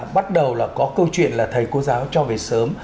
bắt đầu là có câu chuyện là thầy cô giáo cho về sớm